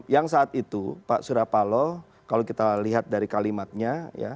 yang saat itu pak surapalo kalau kita lihat dari kalimatnya